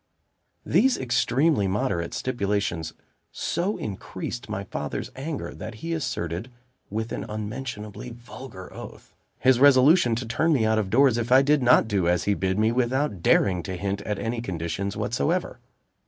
These extremely moderate stipulations so increased my father's anger, that he asserted, with an unmentionably vulgar oath, his resolution to turn me out of doors if I did not do as he bid me, without daring to hint at any conditions whatsoever.